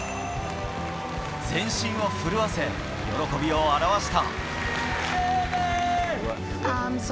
全身を震わせ、喜びを表した。